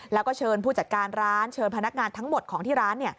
แล้วก็เชิญผู้จัดการร้านเชิญพนักงานทั้งหมดของที่ร้าน